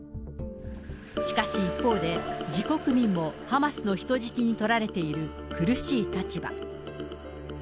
しかし一方で、自国民もハマスの人質に取られている苦しい立場。